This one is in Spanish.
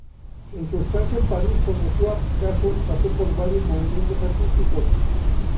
En su estancia en París, conoció a Picasso y pasó por varios movimientos artísticos.